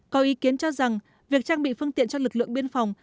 có ý kiến cho rằng việc trang bị phương tiện cho lực lượng biên phòng